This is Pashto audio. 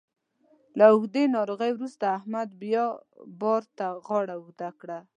له اوږدې ناروغۍ وروسته احمد بیا بار ته غاړه اوږده کړه.